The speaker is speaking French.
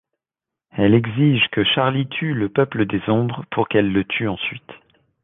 Elle exige que Charlie tue le peuple des Ombres, pour qu'elle le tue ensuite.